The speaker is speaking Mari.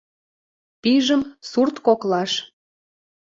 «Пижым» сурт коклаш.